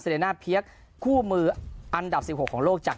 ซีเรนนาทเพีียคคู่มืออันดับสิบหกของโลกจาก